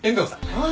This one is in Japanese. ああ。